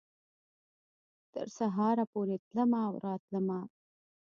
تر سهاره پورې تلمه او راتلمه